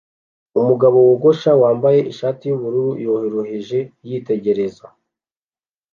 Umugabo wogosha wambaye ishati yubururu yoroheje yitegereza